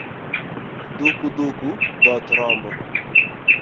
Dhuku dhuku dhoth rombo